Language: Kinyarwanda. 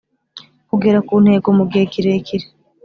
kugera ku ntego mu gihe kirekire